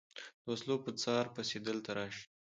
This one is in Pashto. د وسلو په څار پسې دلته راشي.